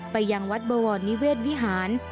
ไปยังวัดบวรนิเวศวิหาร